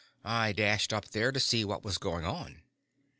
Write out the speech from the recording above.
I dashed up there to see what was going on."